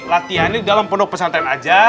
latihan ini dalam penuh pesantren aja